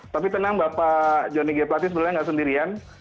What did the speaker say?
tapi tenang bapak johnny g platy sebenarnya tidak sendirian